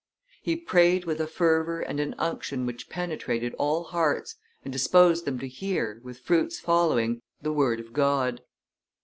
He prayed with a fervor and an unction which penetrated all hearts, and disposed them to hear, with fruits following, the word of God.